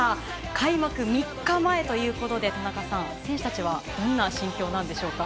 開幕３日前ということで田中さん、選手たちはどんな心境なんでしょうか。